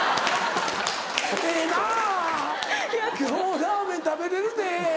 ええな今日ラーメン食べれるで。